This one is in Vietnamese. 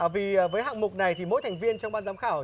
vì với hạng mục này thì mỗi thành viên trong ban giám khảo